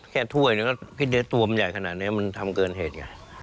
แค่ถ้วยนี่ก็พิเศษตัวมันใหญ่ขนาดนี้มันทำเกินเหตุ